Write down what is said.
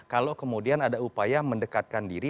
kalau kemudian ada upaya mendekatkan diri